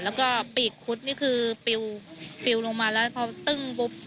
แล้วก็ปีกคุดนี่คือปิวลงมาแล้วพอตึ้งปุ๊บ